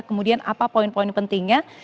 kemudian apa poin poin pentingnya